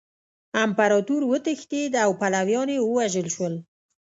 امپراطور وتښتید او پلویان یې ووژل شول.